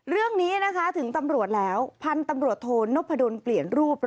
เรื่องนี้ถึงตำรวจแล้วพันพูดโทนโถประดนเปลี่ยนรูป